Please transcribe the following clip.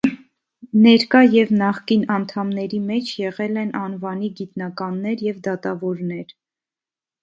Ներկա և նախկին անդամների մեջ եղել են անվանի գիտնականներ և դատավորներ։